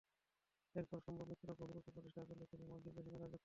এরপর শম্ভু মিত্র বহুরূপী প্রতিষ্ঠা করলে তিনি মঞ্চ নির্দেশনার কাজে যুক্ত হন।